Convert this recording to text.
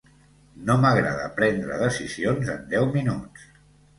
No m’agrada prendre decisions en deu minuts.